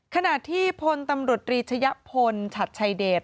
ขณะที่พลตำรวจรีชะยะพลฉัดชัยเดช